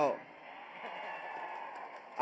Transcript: วันนี้ทั้งลุงตู่พี่ตู่มาเจอกันที่นี่อีกแล้ว